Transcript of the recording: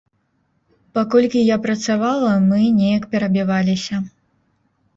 Паколькі я працавала, мы неяк перабіваліся.